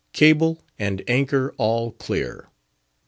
CABLE AND ANCHOR ALL CLEAR.